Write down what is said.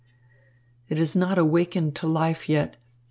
It has not awakened to life yet.